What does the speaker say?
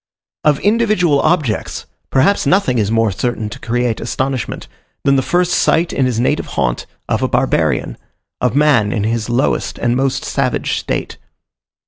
Of individual objects, perhaps nothing is more certain to create astonishment than the first sight in his native haunt of a barbarian of man in his lowest and most savage state.